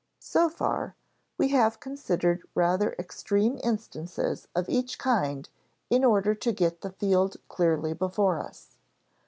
So far, we have considered rather extreme instances of each kind in order to get the field clearly before us.